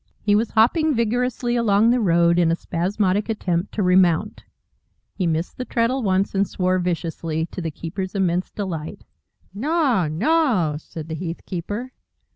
He was hopping vigorously along the road, in a spasmodic attempt to remount. He missed the treadle once and swore viciously, to the keeper's immense delight. "Nar! Nar!" said the heath keeper.